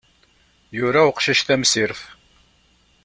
Yura uqcic tamsirt.